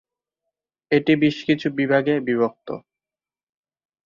এটি বেশ কিছু বিভাগে বিভক্ত।